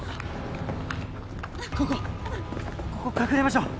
ここここ隠れましょう。